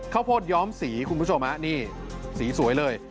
ข้าวโพดย้อมสีคุณผู้ชมฮะนี่สีสวยเลย